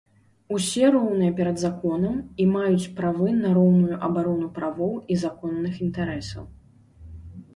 Усе роўныя перад законам і маюць правы на роўную абарону правоў і законных інтарэсаў.